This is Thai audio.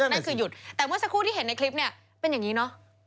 นั่นคือหยุดแต่เมื่อสักครู่ที่เห็นในคลิปเนี่ยเป็นอย่างนี้เนอะ